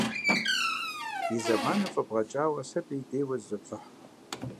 И зэманым фӏэбгъэкӏауэ, сэ пӏеутейуэ зызоплъыхь.